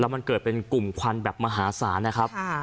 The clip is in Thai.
มันเกิดเป็นกลุ่มควันแบบมหาศาลนะครับ